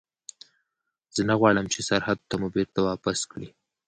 زه نه غواړم چې سرحد ته مو بېرته واپس کړي.